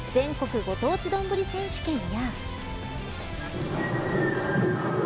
ご当地どんぶり選手権や。